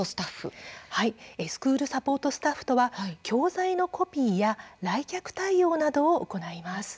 スクール・サポート・スタッフとは教材のコピーや来客対応などを行います。